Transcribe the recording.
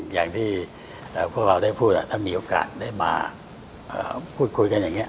อย่างที่พวกเราได้พูดถ้ามีโอกาสได้มาพูดคุยกันอย่างนี้